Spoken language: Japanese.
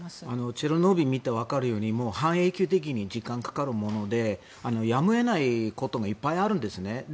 チェルノブイリを見てわかるように半永久的にかかるものでやむを得ないことがいっぱいあるんですね。